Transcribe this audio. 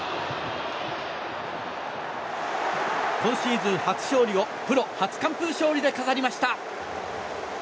今シーズン初勝利をプロ初完封勝利で飾りました。